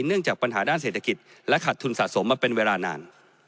เนื่องจากปัญหาด้านเศรษฐกิจและขาดทุนสะสมมาเป็นเวลานาน